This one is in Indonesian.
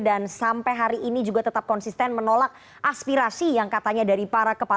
dan sampai hari ini juga tetap konsisten menolak aspirasi yang katanya dari para pemerintah